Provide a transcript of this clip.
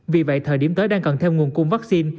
vì vậy thời điểm tới đang cần theo nguồn cung vaccine